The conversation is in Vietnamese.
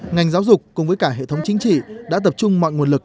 ngành giáo dục cùng với cả hệ thống chính trị đã tập trung mọi nguồn lực